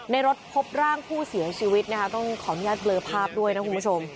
ในรถพบร่างผู้เสียชีวิตนะคะต้องขออนุญาตเบลอภาพด้วยนะคุณผู้ชม